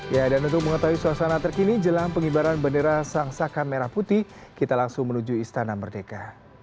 ya dan untuk mengetahui suasana terkini jelang pengibaran bendera sang saka merah putih kita langsung menuju istana merdeka